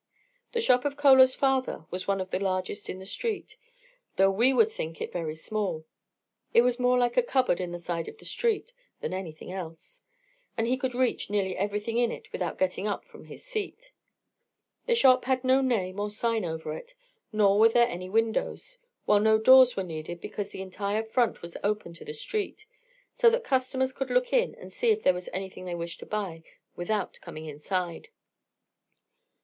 The shop of Chola's father was one of the largest in the street, though we would think it very small. It was more like a big cupboard in the side of the street than anything else; and he could reach nearly everything in it without getting up from his seat. The shop had no name or sign over it, nor were there any windows, while no doors were needed because the entire front was open to the street, so that customers could look in to see if there was anything they wished to buy without coming inside.